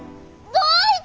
どういて？